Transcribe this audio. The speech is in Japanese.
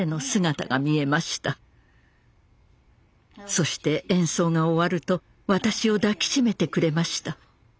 そして演奏が終わると私を抱き締めてくれました。